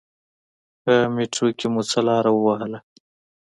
په میترو کې مو څه لاره و وهله.